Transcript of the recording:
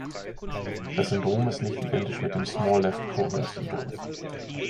Das Syndrom ist nicht identisch mit dem Small left colon syndrome.